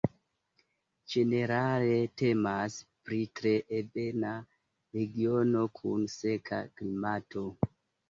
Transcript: Ĝenerale temas pri tre ebena regiono kun seka klimato.